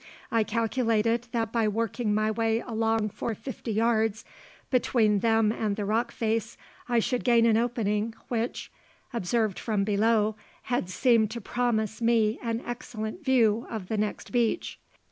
I calculated that by working my way along for fifty yards between them and the rock face I should gain an opening which, observed from below, had seemed to promise me an excellent view of the next beach.